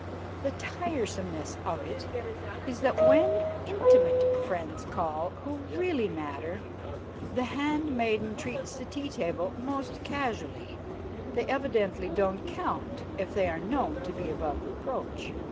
The tiresomeness of it is that when intimate friends call, who really matter, the handmaiden treats the tea table most casually; they evidently don't count if they are known to be above reproach!